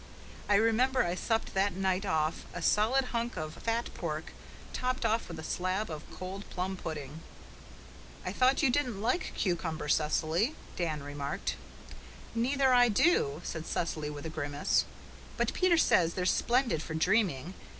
I remember I supped that night off a solid hunk of fat pork, topped off with a slab of cold plum pudding. "I thought you didn't like cucumber, Cecily," Dan remarked. "Neither I do," said Cecily with a grimace. "But Peter says they're splendid for dreaming.